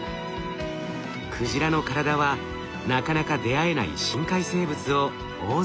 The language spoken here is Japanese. クジラの体はなかなか出会えない深海生物を大勢呼び寄せます。